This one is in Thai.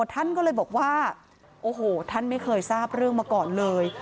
ท่านก็เลยบอกว่าโอ้โหท่านไม่เคยทราบเรื่องมาก่อนเลย